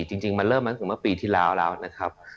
จริงมันเริ่มเหมือนกับปีที่แล้วแล้วนะครับ